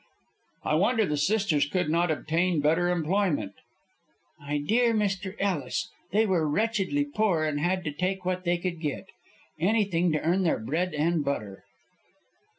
"I wonder the sisters could not obtain better employment." "My dear Dr. Ellis, they were wretchedly poor and had to take what they could get. Anything to earn their bread and butter."